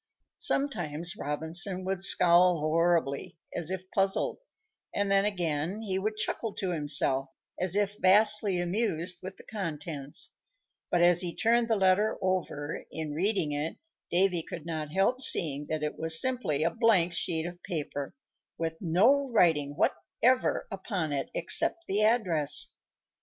Sometimes Robinson would scowl horribly, as if puzzled, and then, again, he would chuckle to himself, as if vastly amused with the contents; but as he turned the letter over, in reading it, Davy could not help seeing that it was simply a blank sheet of paper, with no writing whatever upon it except the address.